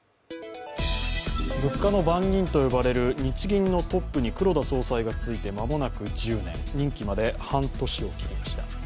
物価の番人と呼ばれる日銀のトップに黒田総裁が就いて間もなく１０年、任期まで半年を切りました。